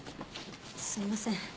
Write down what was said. すみません。